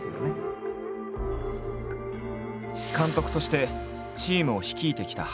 監督としてチームを率いてきた原。